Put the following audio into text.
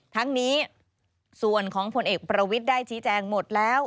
ทั้งนี้ส่วนของผลเอกประวิทย์ได้ชี้แจงหมดแล้ว